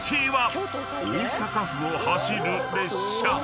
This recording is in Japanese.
［大阪府を走る列車］